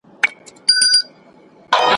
چي ورور دي وژني ته ورته خاندې `